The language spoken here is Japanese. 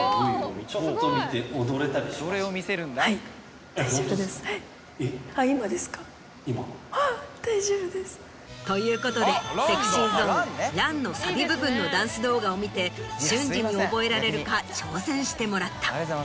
はい大丈夫です。ということでＳｅｘｙＺｏｎｅ『ＲＵＮ』のサビ部分のダンス動画を見て瞬時に覚えられるか挑戦してもらった。